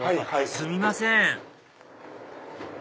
すみません